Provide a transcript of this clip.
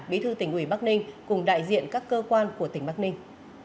bí thư tỉnh ủy bắc ninh cùng đại diện các cơ quan của tỉnh bắc ninh